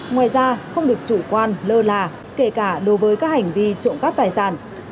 ngoài ra không được chủ quan lơ là kể cả đối với các hành vi trộm cắp tài sản